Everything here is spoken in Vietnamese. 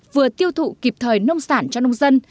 vừa tiêu thụ kịp thời nông sản cho nông dân